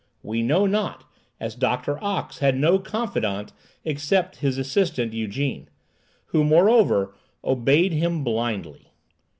We know not, as Doctor Ox had no confidant except his assistant Ygène, who, moreover, obeyed him blindly.